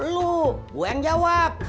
lo gue yang jawab